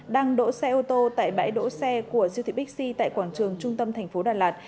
đang đỗ xe ô tô tại bãi đỗ xe của siêu thịp xc tại quảng trường trung tâm tp đà lạt